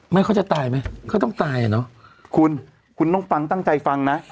เขาจะตายไหมก็ต้องตายอ่ะเนอะคุณคุณต้องฟังตั้งใจฟังนะ